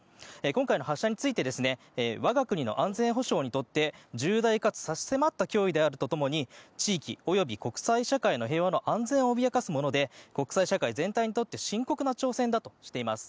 今回の発射について我が国の安全保障にとって重大かつ差し迫った脅威であると同時に地域及び国際社会の平和の安全を脅かすもので国際社会全体にとって深刻な挑戦だとしています。